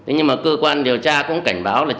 nhưng mà cơ quan điều tra cũng cảnh báo là